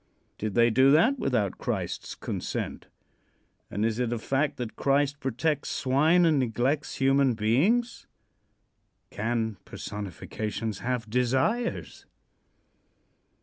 Did they do that without Christ's consent, and is it a fact that Christ protects swine and neglects human beings? Can personifications have desires?